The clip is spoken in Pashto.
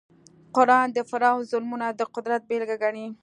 قران د فرعون ظلمونه د قدرت بېلګه ګڼي.